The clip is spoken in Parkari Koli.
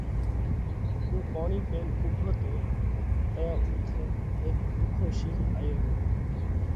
اُو پوڻِي پينَ اُوڀو تو، تئيون اُوٿئہ هيڪ ڀُوکو شِينه آيو رو۔